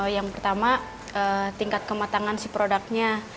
yang pertama tingkat kematangan si produknya